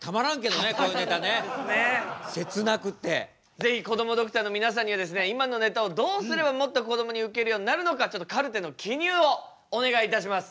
是非こどもドクターの皆さんには今のネタをどうすればもっとこどもにウケるようになるのかカルテの記入をお願いいたします。